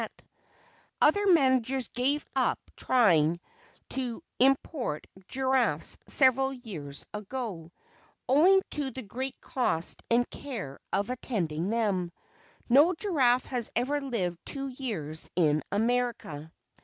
Other managers gave up trying to import Giraffes several years ago, owing to the great cost and care attending them. No Giraffe has ever lived two years in America.